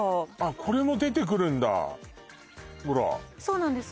これも出てくるんだほらそうなんです